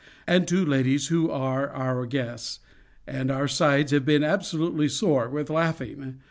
and two ladies who are our guests, and our sides have been absolutely sore with laughing.